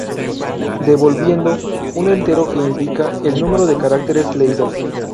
Devolviendo: un entero, que índica el número de caracteres leídos.